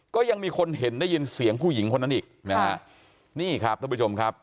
ก็ยังมีคนเห็นได้ยินเสียงผู้หญิงคนนั้นอีกนะฮะนี่ครับท่านผู้ชมครับ